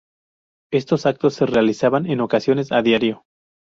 Estos actos se realizaban en ocasiones a diario.